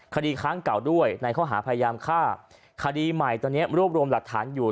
คดีครั้งเก่าด้วยในข้อหาพยายามฆ่าคดีใหม่ตอนนี้รวบรวมหลักฐานอยู่